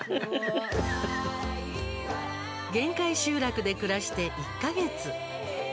限界集落で暮らして１か月。